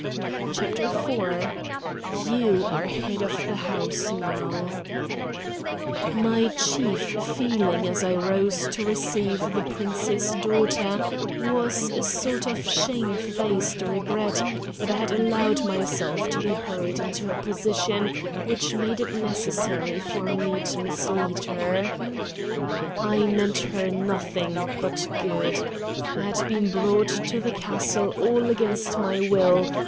CHAPTER IV "YOU ARE HEAD OF THE HOUSE NOW" My chief feeling as I rose to receive the Prince's daughter was a sort of shamefaced regret that I had allowed myself to be hurried into a position which made it necessary for me to mislead her. I meant her nothing but good. I had been brought to the castle all against my will.